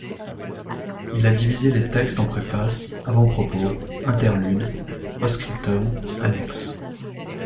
Il a divisé les textes en préfaces, avant-propos, interludes, post-scriptum, annexes.